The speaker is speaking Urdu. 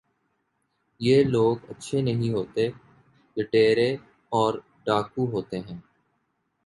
یہ لوگ اچھے نہیں ہوتے ، لٹیرے اور ڈاکو ہوتے ہیں ۔